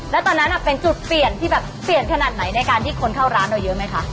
แล้วตอนนั้นเป็นจุดเปลี่ยนที่แบบเปลี่ยนขนาดไหนในการที่คนเข้าร้านเราเยอะไหมคะ